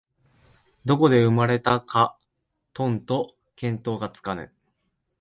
どこで生まれたかとんと見当がつかぬ